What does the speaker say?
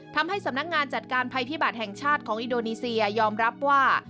ทำให้สำนักงานจัดการภัยพิบัติแห่งชาติของอินโดนีเซียยอมรับว่า